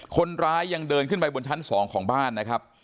คนร้ายยังเดินขึ้นไปบนชั้น๒ของบ้านนะครับ